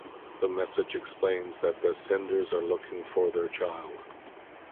The message explains that the senders are looking for their child.